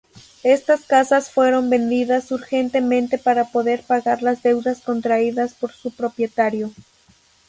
Estas casas fueron vendidas urgentemente para poder pagar las deudas contraídas por su propietario.